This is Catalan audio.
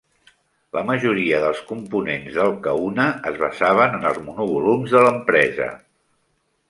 La majoria dels components del Kahuna es basaven en els monovolums de l'empresa.